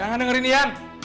jangan dengerin yan